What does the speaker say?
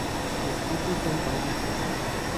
Los frutos son vainas aladas.